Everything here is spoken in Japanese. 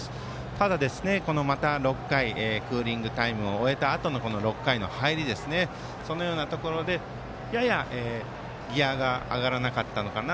ただ、６回のクーリングタイムを終えたあとの６回の入りそのようなところでギヤが上がらなかったのかな